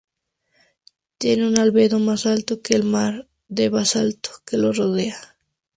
Tiene un albedo más alto que el "mar" de basalto que lo rodea.